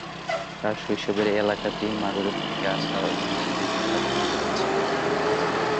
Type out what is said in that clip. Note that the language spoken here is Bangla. তার শৈশবের এই এলাকাটি মাগরেব থেকে আসা অভিবাসীদের দ্বারা জনবহুল ছিল।